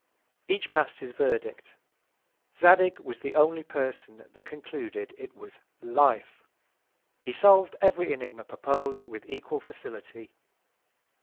Each pass'd his Verdict. Zadig was the only Person that concluded it was LIFE. He solv'd every Ænigma propos'd, with equal Facility.